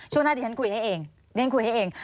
ช่วงหน้าดิฉันคุยให้เองเรียนคุยให้เอง